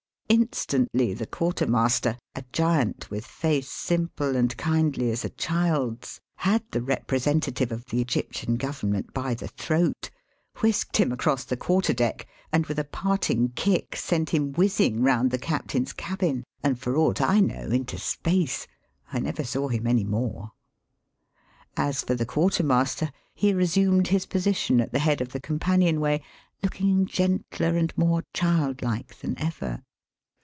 Instantly the quartermaster, a giant with face simple and kindly as a child's, had the representative of the Egyptian Government by the throat, whisked him across the quarter deck, and with a parting kick sent him whizzing round the captain's cabin, and for aught I know into space. I never saw him any more. As for the quartermaster, he resumed his position at the head of the companion way, looking gentler and more childlike than ever.